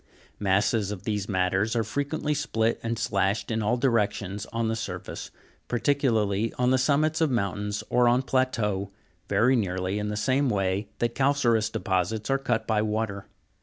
Masses of these matters are frequently split and slashed in all directions on the surface, particularly on the summits of mountains or on plateaux, very nearly in the same way that calcareous deposits are cut by water.